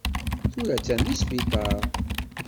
Tura attan deg sbiṭar.